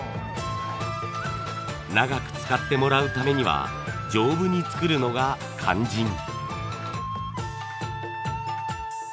長く使ってもらうためには丈夫に作るのが肝心。